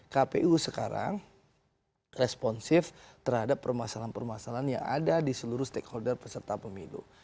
kpu sekarang responsif terhadap permasalahan permasalahan yang ada di seluruh stakeholder peserta pemilu